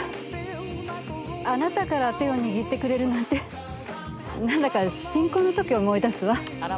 あなたから手を握ってくれるなんて何だか新婚のときを思い出すわ。